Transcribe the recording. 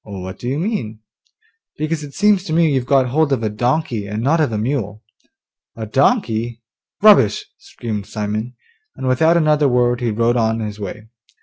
'What do you mean?' 'Because it seems to me you've got hold of a donkey, and not of a mule.' 'A donkey? Rubbish!' screamed Simon, and without another word he rode on his way.